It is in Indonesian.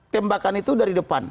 tembakan itu dari depan